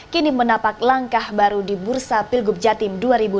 kini menapak langkah baru di bursa pilgub jatim dua ribu delapan belas